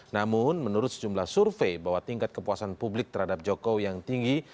namun menurut sejumlah survei bahwa tingkat kepuasan publik terhadap jokowi yang tinggi